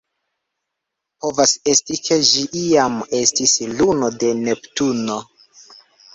Povas esti, ke ĝi iam estis luno de Neptuno.